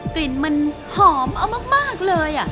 กลิ่นมันหอมเอามากเลย